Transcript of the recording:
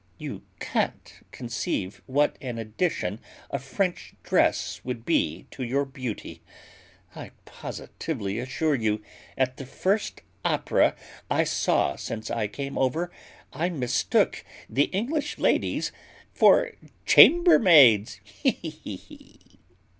You can't conceive what an addition a French dress would be to your beauty; I positively assure you, at the first opera I saw since I came over, I mistook the English ladies for chambermaids, he, he, he!"